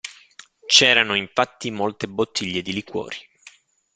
C'erano, infatti, molte bottiglie di liquori.